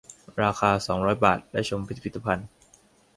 ราคา สองร้อย บาท และชมพิพิธภัณฑ์